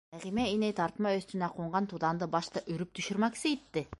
Нәғимә инәй тартма өҫтөнә ҡунған туҙанды башта өрөп төшөрмәксе итте.